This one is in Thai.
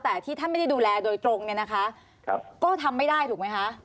ถ้าไม่ได้ดูแลโดยตรงนี่นะคะก็ทำไม่ได้ถูกไหมคะ